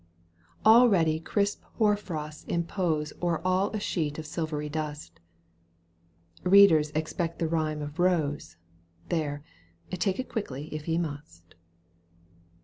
Already crisp hoar frosts impose O'er all a sheet of silvery dust (Eeaders expect the rhyme of rose, There ! take it quickly, if ye must).